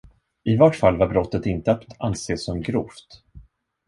I vart fall var brottet inte att anse som grovt.